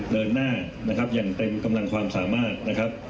เดินหน้านะครับอย่างเต็มกำลังความสามารถนะครับ